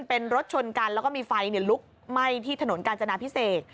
เป็นรถชนกันแล้วก็มีไฟลุกไหม้ที่ถนนกาญจนาพิเศษ